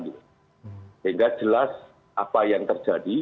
sehingga jelas apa yang terjadi